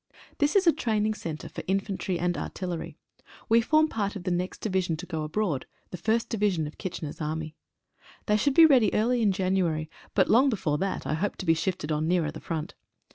This is a training centre for infantry and artillery. We form part of the next Division to go abroad — the First Division of Kitchener's Army. They should be ready early in January, but long before that I hope to be shifted on nearer the front.